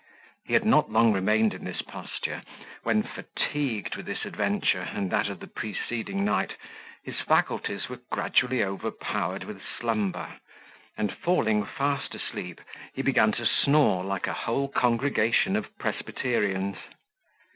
He had not long remained in this posture, when, fatigued with this adventure and that of the preceding night, his faculties were gradually overpowered with slumber; and, falling fast asleep, he began to snore like a whole congregation of Presbyterians.